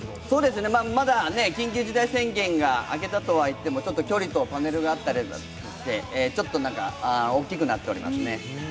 まだ緊急事態宣言が明けたとはいってもちょっと距離とパネルがあったりして、ちょっと大きくなっております。